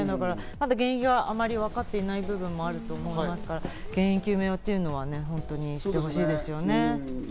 原因があまりわかっていない部分もあると思いますから、原因究明というのはしてほしいですね。